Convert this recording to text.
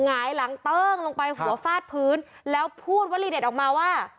หงายหลังเติ้งลงไปหัวฟาดพื้นแล้วพูดวลีเด็ดออกมาว่า